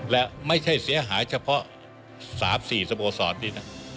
และไม่ใช่เสียหายเฉพาะ๓๔สโมสรนี่นะ